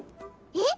えっ？